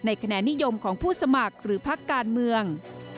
คะแนนนิยมของผู้สมัครหรือพักการเมือง